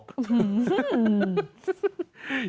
อื้อฮือ